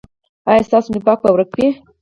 ایا ستاسو نفاق به ورک وي؟